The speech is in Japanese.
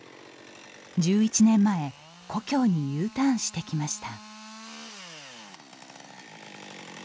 １１年前故郷にＵターンしてきました。